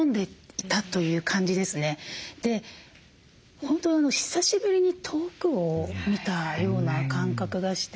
で本当久しぶりに遠くを見たような感覚がして。